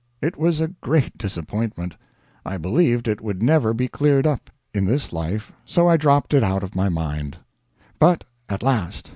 It was a great disappointment. I believed it would never be cleared up in this life so I dropped it out of my mind. But at last!